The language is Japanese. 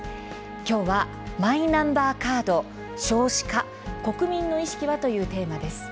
今日は「マイナンバーカード少子化国民の意識は」というテーマです。